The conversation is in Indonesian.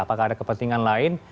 apakah ada kepentingan lain